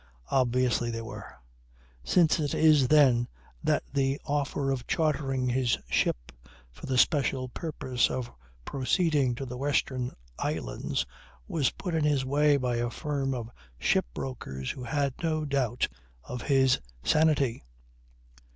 Obviously they were; since it is then that the offer of chartering his ship for the special purpose of proceeding to the Western Islands was put in his way by a firm of shipbrokers who had no doubt of his sanity.